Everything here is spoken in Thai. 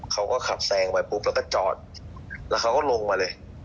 เขาก็ขับแซงไปปุ๊บแล้วก็จอดแล้วเขาก็ลงมาเลย